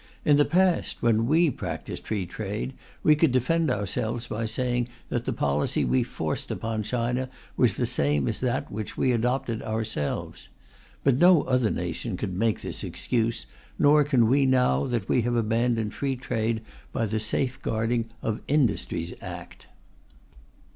In the past, when we practised free trade, we could defend ourselves by saying that the policy we forced upon China was the same as that which we adopted ourselves. But no other nation could make this excuse, nor can we now that we have abandoned free trade by the Safeguarding of Industries Act.